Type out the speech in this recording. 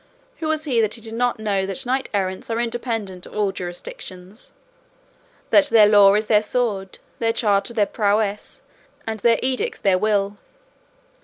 Who was he that did not know that knights errant are independent of all jurisdictions, that their law is their sword, their charter their prowess, and their edicts their will?